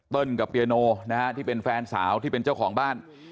กับเปียโนนะฮะที่เป็นแฟนสาวที่เป็นเจ้าของบ้าน